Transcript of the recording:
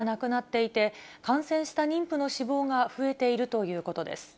さらにそのうちの１６１人が亡くなっていて、感染した妊婦の死亡が増えているということです。